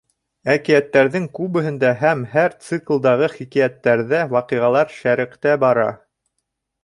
Әкиәттәрҙең күбеһендә һәм һәр циклдағы хикәйәттәрҙә ваҡиғалар шәреҡтә бара.